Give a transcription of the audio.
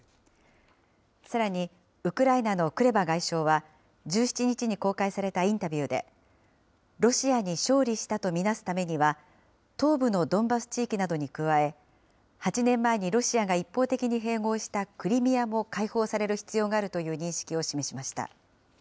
さらにウクライナのクレバ外相は、１７日に公開されたインタビューで、ロシアに勝利したと見なすためには、東部のドンバス地域などに加え、８年前にロシアが一方的に併合したクリミアも解放される必要があるという認識を示しました。